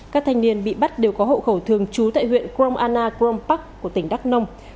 các thanh niên bị bắt đều có hậu khẩu thường trú tại huyện crom anna crom park của tỉnh đắk nông